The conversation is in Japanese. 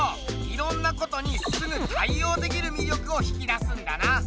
いろんなことにすぐ対応できるみりょくを引き出すんだな。